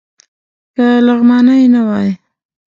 که لغمانی نه وای.